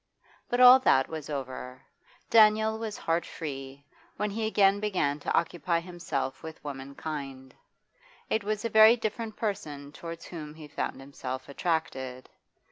But all that was over; Daniel was heart free, when he again began to occupy himself with womankind; it was a very different person towards whom he found himself attracted.